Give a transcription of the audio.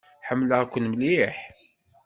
Ḥemmleɣ-ken mliḥ.